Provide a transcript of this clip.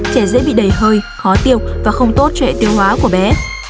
trẻ dễ bị đẩy hơi khó tiêu và không tốt cho hệ tiêu hóa của bé